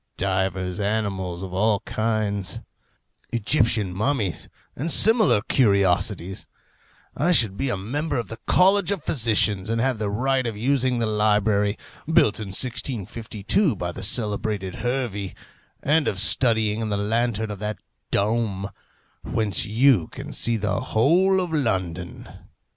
divers animals of all kinds; Egyptian mummies, and similar curiosities; I should be a member of the College of Physicians, and have the right of using the library, built in 1652 by the celebrated Hervey, and of studying in the lantern of that dome, whence you can see the whole of London.